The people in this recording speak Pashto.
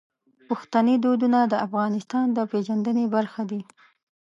پښتني دودونه د افغانستان د پیژندنې برخه دي.